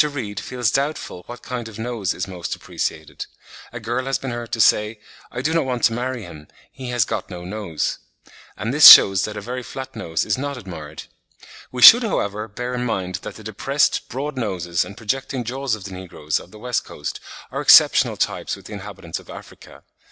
Reade feels doubtful what kind of nose is most appreciated; a girl has been heard to say, "I do not want to marry him, he has got no nose"; and this shews that a very flat nose is not admired. We should, however, bear in mind that the depressed, broad noses and projecting jaws of the negroes of the West Coast are exceptional types with the inhabitants of Africa.